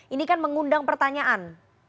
ini kan mengundang pertanyaan